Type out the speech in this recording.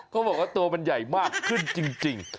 เขาบอกว่าตัวมันใหญ่มากขึ้นจริง